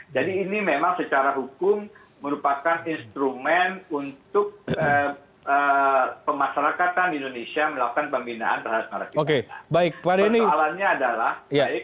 jadi ini memang secara hukum merupakan instrumen untuk pemasarakatan di indonesia melakukan pembinaan terhadap narapidana